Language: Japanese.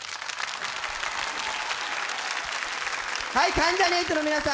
関ジャニ∞の皆さん